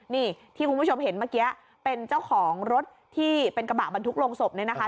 นี่ที่คุณผู้ชมเห็นเมื่อกี้เป็นเจ้าของรถที่เป็นกระบะบรรทุกลงศพเนี่ยนะคะ